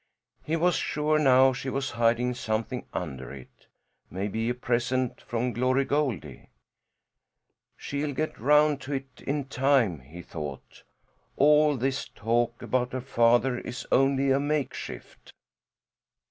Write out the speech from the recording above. He was sure now she was hiding something under it maybe a present from Glory Goldie! "She'll get round to that in time," he thought. "All this talk about her father is only a makeshift."